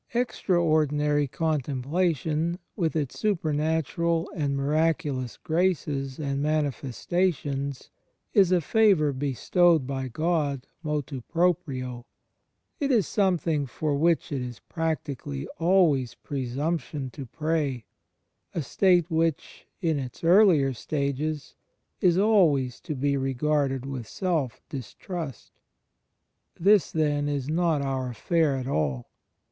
Extraordinary Contemplation with its supernatural and miraculous graces and manifestations is a favour bestowed by Gk)d moPu propria. It is something for which it is practically always presmnption to pray — a state which, in its earlier stages, is always to be regarded with self distrust. This, then, is not our affair at all.